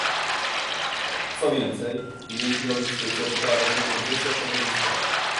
Co więcej, dzięki logistyce poprawia się kondycja środowiska